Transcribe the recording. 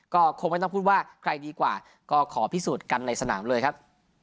ก็คงไม่ต้องพูดว่าใครดีกว่าก็ขอพิสูจน์กันในสนามเลยครับ